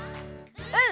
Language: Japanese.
うん！